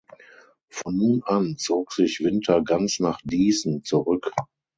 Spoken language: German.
Von nun an zog sich Winter ganz nach Dießen zurück.